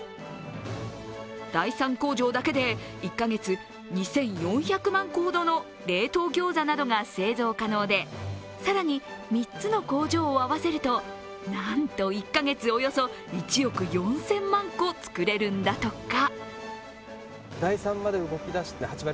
第３工場だけで１カ月２４００万個ほどの冷凍ギョーザなどが製造可能で更に３つの工場を合わせるとなんと１カ月およそ１億４０００万個作れるんだとか。